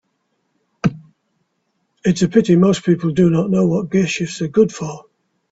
It's a pity most people do not know what gearshifts are good for.